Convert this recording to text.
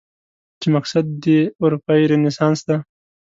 چې مقصد دې اروپايي رنسانس دی؟